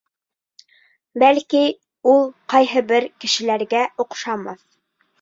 Бәлки, ул ҡайһы бер кешеләргә оҡшамаҫ.